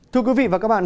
thưa quý vị và các bạn